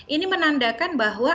ini menandakan bahwa